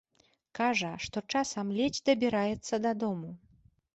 Кажа, што часам ледзь дабіраецца дадому.